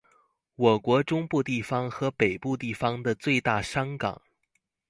我國中部地方和北部地方的最大商港